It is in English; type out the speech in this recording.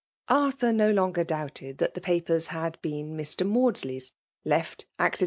Arthur no longer doubted that the papers had been Mr. Maudsley* s, left acciden 54 FSlfAX.